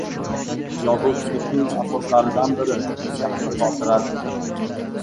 Yozuvchilikning asoslaridan biri – yaxshi xotiradir.